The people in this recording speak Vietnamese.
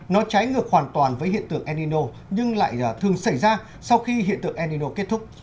nó trái ngược hoàn toàn với hiện tượng el nino nhưng lại thường xảy ra sau khi hiện tượng el nino kết thúc